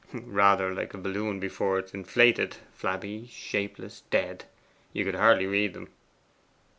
'Rather like a balloon before it is inflated: flabby, shapeless, dead. You could hardly read them.